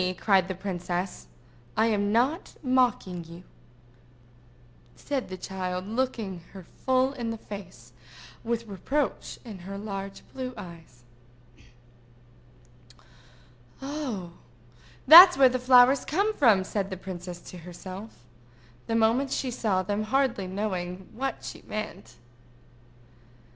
cried the princess. "I am not mocking you," said the child, looking her full in the face, with reproach in her large blue eyes. "Oh, that's where the flowers come from!" said the princess to herself, the moment she saw them, hardly knowing what she meant.